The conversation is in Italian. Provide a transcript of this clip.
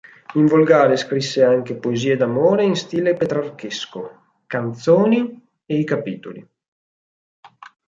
In volgare scrisse anche poesie d'amore in stile petrarchesco, "Canzoni" e i "Capitoli".